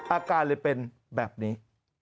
อาการเลยเป็นแบบนี้